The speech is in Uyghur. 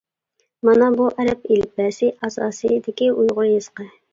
مانا بۇ ئەرەب ئېلىپبەسى ئاساسىدىكى ئۇيغۇر يېزىقى.